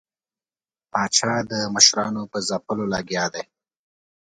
پاچا د مشرانو په ځپلو لګیا دی.